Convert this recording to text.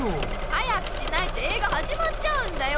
早くしないと映画はじまっちゃうんだよ！